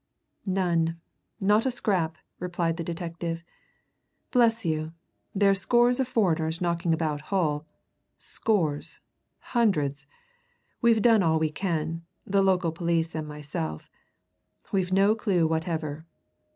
"None; not a scrap!" replied the detective. "Bless you, there's score of foreigners knocking about Hull. Scores! Hundreds! We've done all we can, the local police and myself we've no clue whatever.